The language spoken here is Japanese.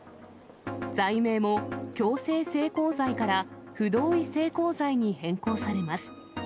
罪名も、強制性交罪から、不同意性交罪に変更されます。